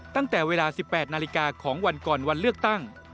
ตั้งแต่เวลา๑๘นาฬิกาของวันก่อนวันเลือกตั้ง